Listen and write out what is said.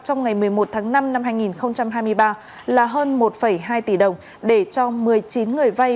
trong ngày một mươi một tháng năm năm hai nghìn hai mươi ba là hơn một hai tỷ đồng để cho một mươi chín người vay